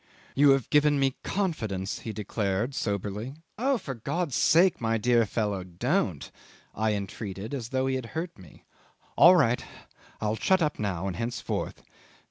"You have given me confidence," he declared, soberly. "Oh! for God's sake, my dear fellow don't!" I entreated, as though he had hurt me. "All right. I'll shut up now and henceforth.